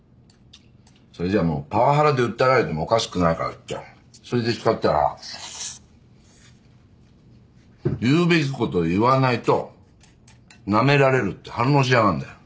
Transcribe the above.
それじゃもうパワハラで訴えられてもおかしくないからってそれで叱ったら「言うべきこと言わないとなめられる」って反論しやがるんだよ。